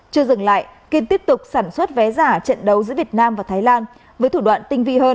chưa dừng lại kiên tiếp tục sản xuất vé giả trận đấu giữa việt nam và thái lan với thủ đoạn tinh vi hơn